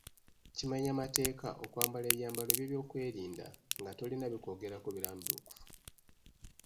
Kimenya mateeka okwambala ebyambalo by'ebyokwerinda nga tolina bikwogerako birambulukufu.